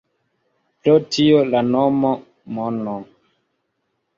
Pro tio la nomo “Mono”.